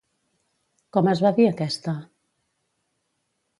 Com es va dir aquesta?